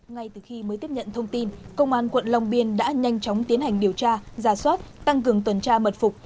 ngay từ khi mới tiếp nhận thông tin công an quận long biên đã nhanh chóng tiến hành điều tra giả soát tăng cường tuần tra mật phục